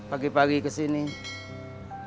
adapa kamu pagi aki kesini e